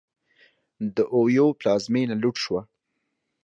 د اویو پلازمېنه لوټ شوه.